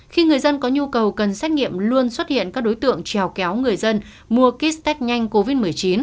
khi người dân có nhu cầu cần xét nghiệm luôn xuất hiện các đối tượng trèo kéo người dân mua kích tết nhanh covid một mươi chín